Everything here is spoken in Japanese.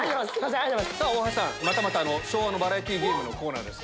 またまた昭和のバラエティーゲームのコーナーです。